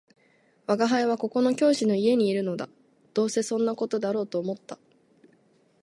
「吾輩はここの教師の家にいるのだ」「どうせそんな事だろうと思った